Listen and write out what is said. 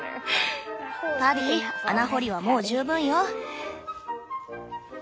パディ穴掘りはもう十分よ。